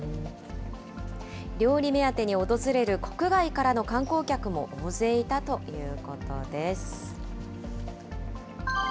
料理目当てに訪れる国外からの観光客も大勢いたということです。